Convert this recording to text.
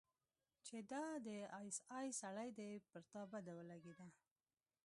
چې دا د آى اس آى سړى دى پر تا بده ولګېده.